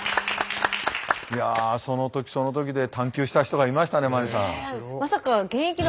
いやその時その時で探究した人がいましたね麻里さん。